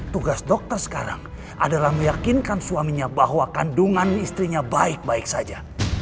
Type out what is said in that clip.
tugas dokter sekarang adalah meyakinkan suaminya bahwa kandungan istrinya baik baik saja